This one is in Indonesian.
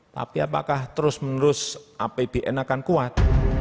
tapi apakah terus menerus apbn akan kuat